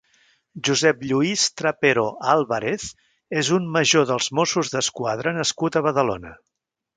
Josep Lluís Trapero Álvarez és un major dels Mossos d'Esquadra nascut a Badalona.